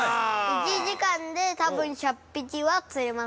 ◆１時間で多分、１００匹は釣れます。